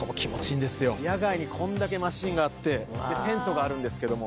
野外にこんだけマシンがあってテントがあるんですけれども。